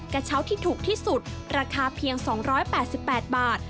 กระเช้าที่ถูกที่สุดราคาเพียง๒๘๘บาท